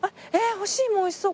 干し芋おいしそう。